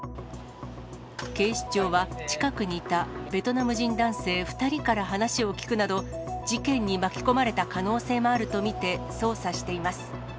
警視庁は近くにいたベトナム人男性２人から話を聴くなど、事件に巻き込まれた可能性もあると見て、捜査しています。